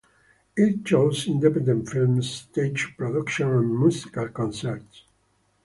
It shows independent films, stage productions and musical concerts.